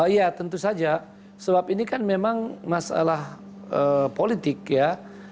ya tentu saja sebab ini kan memang masalah politik ya